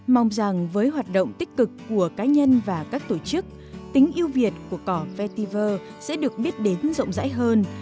mong rằng với hoạt động tích cực của cá nhân và các tổ chức tính yêu việt của cỏ veiver sẽ được biết đến rộng rãi hơn